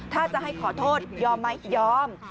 ถ้าจะให้ขอโทษยอมไหมยอม